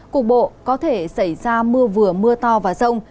cục bộ có thể xảy ra mưa vừa mưa to và rông